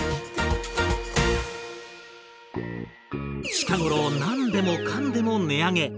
近頃何でもかんでも値上げ。